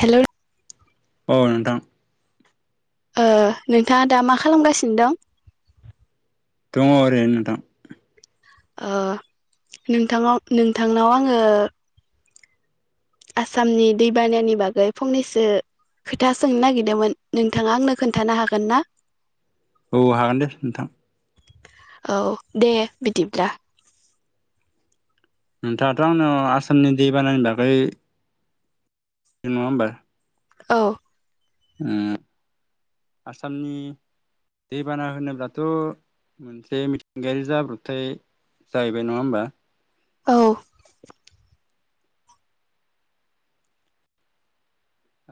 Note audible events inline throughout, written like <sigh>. Hello अ नोंथां ओ नोंथाङा दा मा खालामगासिनो दं? दङ ओरैनो नोंथां। ओ नोंथांयाव-नोंथांनाव आङो आसामनि दैबानायानि बागै फंनैसो खोथा सोंनो नागिरदोंमोन नोंथाङा आंनो खोन्थानो हागोन ना? औ हागोन दे नोंथां। औ दे बिदिब्ला। नोंथाङाथ' आंनाव आसामनि दैबानानि बागै नङा ओमबा? औ उम आसामनि दैबाना होनोब्लाथ' मोनसे मिथिंगायारि जाब्रबथाय जाहैबाय नङा होमबा? औ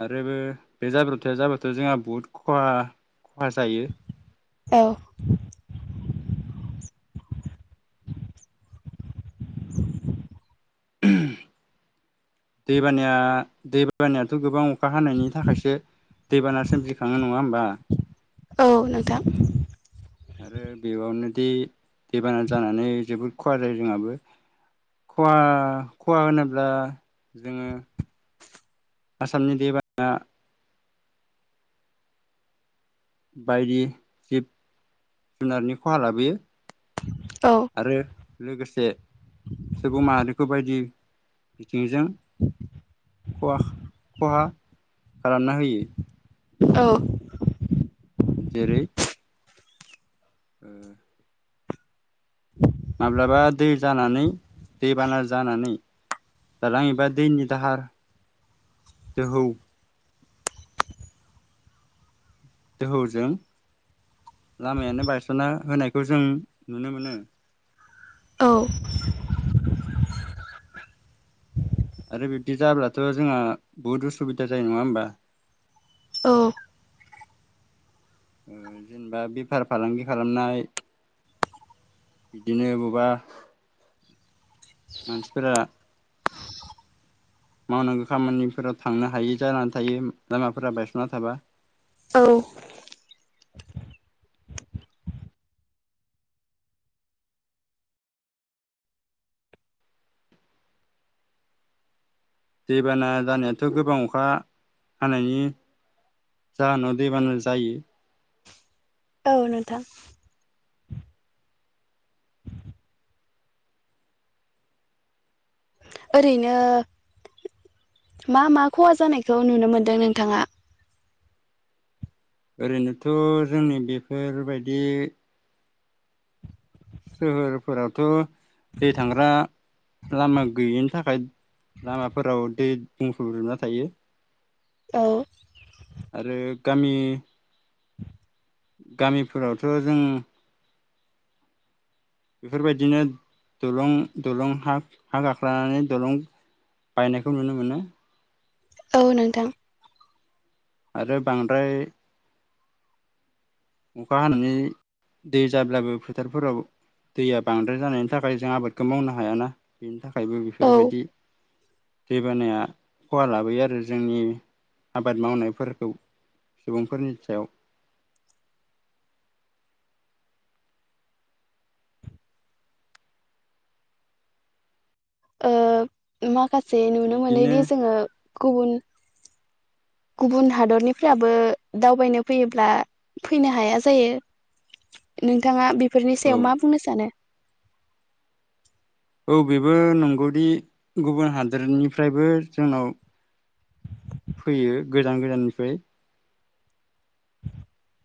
आरो बे जाब्रबथाया जाबाथ' जोंहा बहुद खहा खहा जायो। औ दैबानाया दैबानायाथ' गोबां अ खा हानायनि थाखायसो दैबाना सोमजिखाङो नङा होमबा? औ नोंथां आरो बेयावनो बिदि दैबाना जानानै जोबोद खहा जायो जोंहाबो खहा खहा होनोब्ला जोङो आसामनि दैबानाया बायदि जिब जुनारनि खहा लाबोयो। औ आरो लोगोसे सुबुं माहारिखौ बायदि बिथिंजों खहाखा-खहा खालामना होयो। औ जेरै ओ माब्लाबा दै जानानै दैबाना जानानै दालां एबा दैनि दाहार दोहौ दोहौजों लामायानो बायस'ना होनायखौ जों नुनो मोनो। औ आरो बिबदि जाब्लाथ' जोंहा बहुद उसुबिदा जायो नङा होमबा? औ ओ जेनेबा बेफार फालांगि खालामनाय बिदिनो बबेबा मानसिफोरा मावनांगौ खामानिफोराव थांनो हायि जानानै थायो लामाफोरा बायस'ना थाबा औ दैबाना जानायाथ' गोबां अखा हानायनि जाहोनाव दैबाना जायो। औ नोंथां। ओरैनो मा मा खहा जानायखौ नुनो मोनदों नोंथाङा? ओरैनोथ' जोंनि बेफोरबायदि सोहोरफोरावथ' दै थांग्रा लामा गैयिनि थाखाय लामाफोराव दै बुंफबजोबना थायो। औ आरो गामि गामिफोरावथ' जों बेफोरबायदिनो दलं दलं हा हा गाख्लानानै दलं बायनायखौ नुनो मोनो। औ नोंथां। आरो बांद्राय अखा हानानै दै जाब्लाबो फोथारफोराव दैया बांद्राय जानायनि थाखाय जों आबादखौ मावनो हायाना खायबो औ बेफोरबायदि दैबानाया खहा लाबोयो आरो जोंनि आबाद मावनायफोरखौ सुबुंफोरनि सायाव। ओ मा। खासे नुनो बिदिनो मोनोदि जोङो। गुबुन गुबुन हादरनिफ्राबो दावबायनो फैयोब्ला फैनो हाया जायो नोंथाङा बे फोरनि औ सायाव मा बुंनो सानो? औ बेबो नंगौदि गुबुन हादोरनिफ्रायबो जोंनाव फैयो गोजान गोजाननिफ्राय। <unintelligible>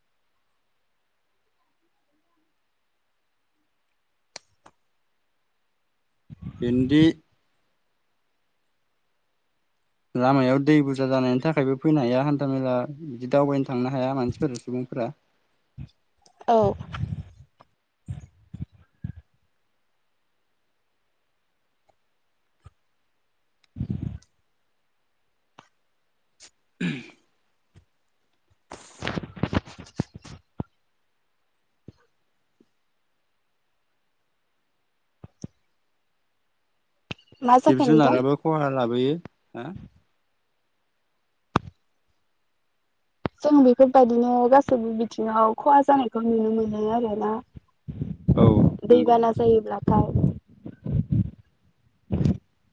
बेन्दि। लामायाव दै बुरजा जानायनि थाखायबो फैनो हाया हान्था मेला बिदि दावबायनो थांनो हाया मानसिफोरा सुबुंफोरा। औ। <inaudible> मा जिब जाखो नोंथां जुनाराबो खहा लाबोयो हा। जों बेफोरबायदिनो गासैबो बिथिङाव खहा जानायखौ नुनो मोनो आरोना। औ नंगौ दैबाना जायोब्ला <unintelligible>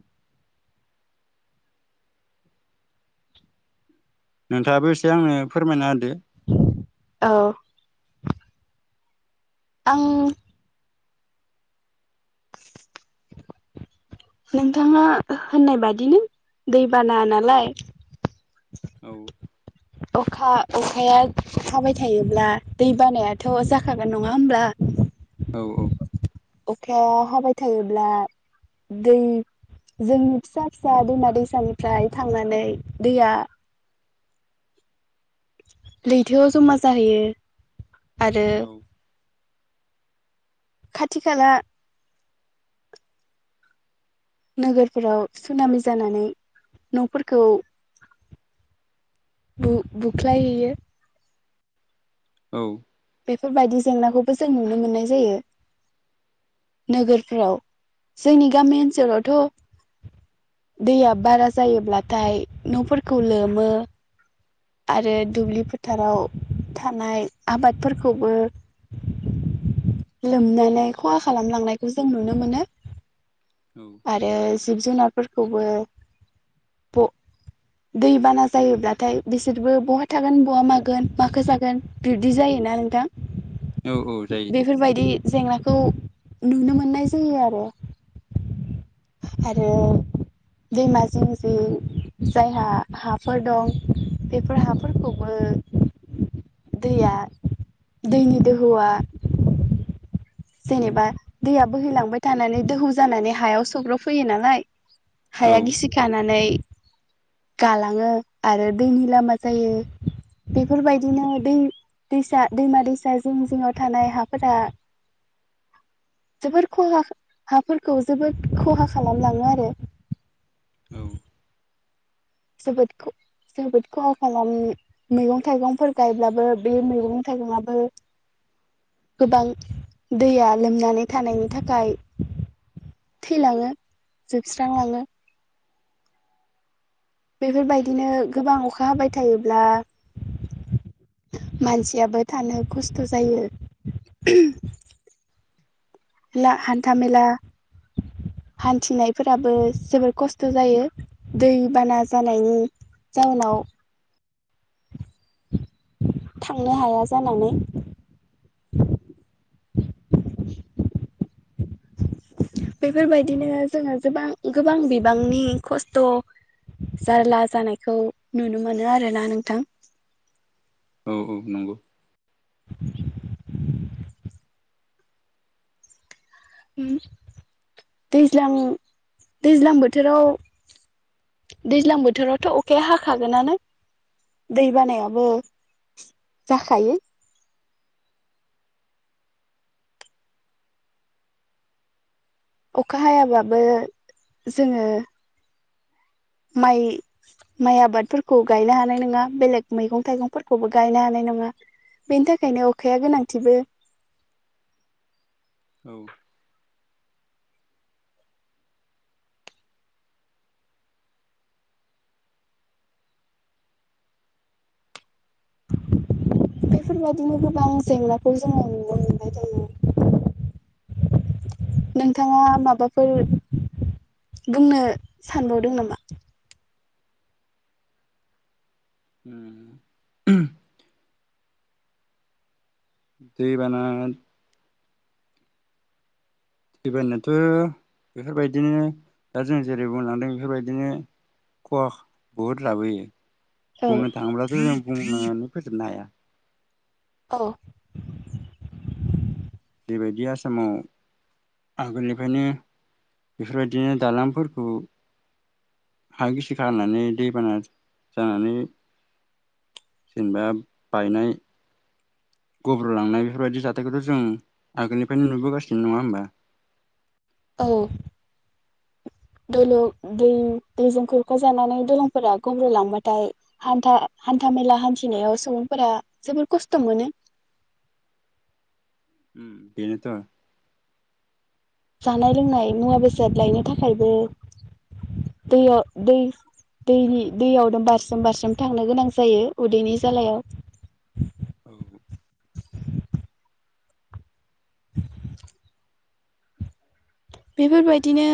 नोंथाङाबो एसे आंनो फोरमायना होदो। <unintelligible> औ आं नोंथाङा होननाय बादिनो दैबाना नालाय औ अखा अखाया हाबाय थायोब्ला दै बानायाथ' जाखागोन नङा होमब्ला? औ अखाया हाबाय थायोब्ला दै जोंनि फिसा फिसा दैमा दैसानिफ्राय थांनानै दैया लैथोआव जमा जाहैयो आरो। औ खाथि खाला। नोगोरफोराव सुनामि जानानै न'फोरखौ बु-बुख्लायहैयो। औ। बेफोरबायदि जेंनाखौबो जों नुनो मोननाय जायो नोगोरफोराव जोंनि गामि ओनसोलावथ' दैया बारा जायोब्लाथाय न'फोरखौ लोमो। आरो दुब्लि फोथाराव थानाय आबादफोरखौबो लोमनानै खहा खालामलांनायखौ जों नुनो मोनो। औ आरो जिब जुनारफोरखौबो ब दैबाना जायोब्लाथाय बिसोरबो बहा थागोन बहा मागोन माखो जागोन बिब्दि जायोना नोंथां। औ औ जायो बेफोरबायदि जेंना खौ नुनो मोननाय जायो आरो आरो दैमा जिं जिं जायहा हाफोर दं। बेफोर हाफोरखौबो दैया दैनि दोहौआ जेनेबा दैया बोहैलांबाय थानानै दोहौ जानानै हायाव सग्र'फैयो नालाय औ हाया गिसि खानानै गालाङो आरो दैनि लामा जायो बेफोरबायदिनो दै दैसा दैमा दैसा जिं जिङाव थानाय हाफोरा जोबोर खहा हाफोरखौ जोबोद खहा खालामलाङो आरो औ। जोबोद जोबोद खहा' खालाम मैगं थाइगंफोर गायब्लाबो बे मैगं थाइगंआबो गोबां दैया लोमनानै थानायनि थाखाय थैलाङो जोबस्रांलाङो। बेफोरबायदिनो गोबां अखा हाबाय थायोब्ला मानसियाबो थानो खस्थ' जायो। ला हान्थामेला हान्थिनायफोराबो जोबोर खस्थ' जायो दैबाना जानायनि जाउनाव। थांनो हाया जानानै। बेफोरबायदिनो जोङो जोबां गोबां बिबांनि खस्थ' जारला जानायखौ नुनो मोनो आरोना नोंथां। औ औ नंगौ। उम दैज्लां दैज्लां बोथोराव दैज्लां बोथोरावथ' अखाया हाखागोनानो दै बानायाबो जाखायो। अखा हायाबाबो जोङो माइ माइ आबादफोरखौ गायनो हानाय नङा बेलेग मैगं थाइगंफोरखौबो गायनो हानाय नङा बेनि थाखायनो अखाया गोनांथिबो औ बेफोरबादिनो गोबां जेंनाखौ जोङो नुनो मोनबाय थायो। नोंथाङा माबाफोर बुंनो सानबावदों नामा? ओम दैबाना दैबानायाथ' बेफोरबायदिनो दा जों जेरै बुंलांदों बेफोरबायदिनो खहा बुहुद लाबोयो। औ बुंनो थाङोब्लाथ' जों बुंनानै फोजोबनो हाया औ बेबायदि आसामाव आगोलनिफ्रायनो बेफोरबायदिनो दालांफोरखौ हा गिसि खालामानानै दैबाना जानानै जेनेबा बायनाय गब्रलांनाय बेफोरबायदि जाथायखौथ' जों आगोलनिफ्रायनो नुबोगासिनो नङा होमबा? औ दलु दै दैजों खुरखा जानानै दलंफोरा गब्र'लांबाथाय हान्था हान्थामेला हान्थिनायाव सुबुंफोरा जोबोर खस्थ' मोनो। उम बेनोथ' जानाय लोंनाय मुवा बेसाद लायनो थाखायबो दैयाव दै दैनि दैयावनो बारसोम बारसोम थांनो गोनां जायो उदैनि जालायाव औ <inaudible> बेफोरबायदिनो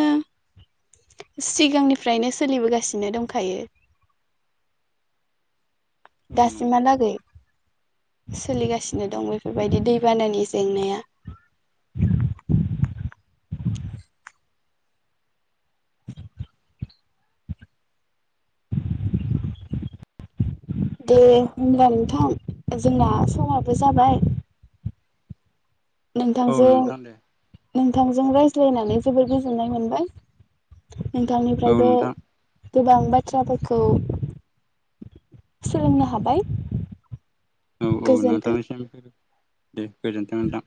सिगांनिफ्रायनो सोलिबोगासिनो दंखायो। औ नंगौ दासिमहालागै सोलिगासिनो दं बेफोरबायदि दैबानानि जेंनाया दे होमब्ला नोंथां जोंना समाबो जाबाय औ नोंथांजों उम नोंथां दे नोंथांजों रायज्लायनानै जोबोर गोजोननाय मोनबाय औ नोंथांनिफ्रायबो नोंथां गोबां बाथ्राफोरखौ सोलोंनो हाबाय औ औ गोजोन्थों। नोंथांनिसिम दे गोजोनथों नोंथां।